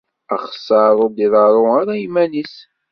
Axessaṛ ur d-iḍerru ara iman-is.